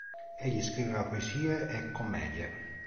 Egli scriveva poesie e commedie.